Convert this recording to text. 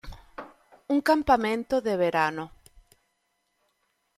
Un campamento de verano.